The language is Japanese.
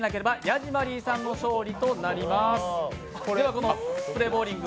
この「スプレーボウリング」